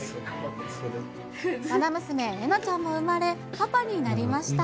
まな娘、えなちゃんも産まれ、パパになりました。